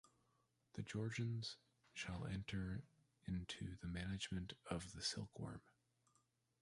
The Georgians shall enter into the management of the silkworm.